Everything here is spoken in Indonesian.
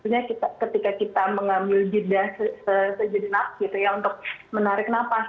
maksudnya ketika kita mengambil jeda sejenak gitu ya untuk menarik nafas